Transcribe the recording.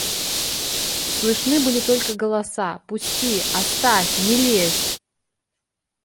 Слышны были только голоса: – Пусти! – Оставь! – Не лезь!